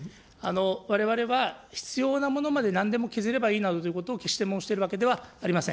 われわれは必要なものまでなんでも削ればいいなどということを決して、申しているわけではありません。